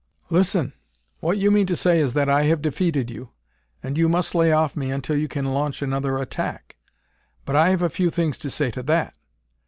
"Listen! What you mean to say is that I have defeated you, and you must lay off me until you can launch another attack. But I have a few things to say to that.